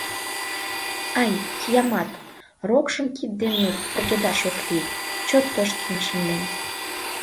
Ай, киямат, рокшым кид дене пургедаш ок лий: чот тошкен шынден.